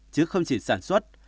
chứ không chỉ sản xuất